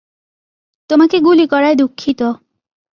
তোমাকে গুলি করায় দুঃখিত!